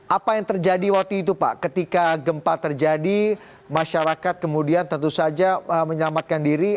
apa yang terjadi waktu itu pak ketika gempa terjadi masyarakat kemudian tentu saja menyelamatkan diri